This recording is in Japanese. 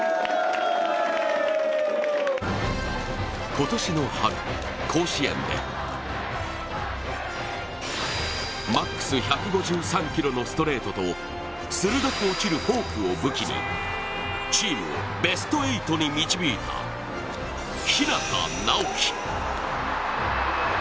今年の春、甲子園でマックス１５３キロのストレートと鋭く落ちるフォークを武器にチームをベスト８に導いた、日當直喜。